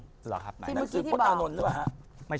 ่ะหรอครับหนึ่งที่พอก่อน